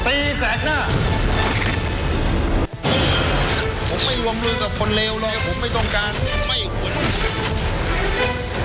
ผมไม่รวมรู้กับคนเลวเลยผมไม่ต้องการไม่ควร